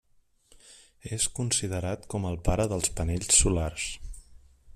És considerat com el pare dels panells solars.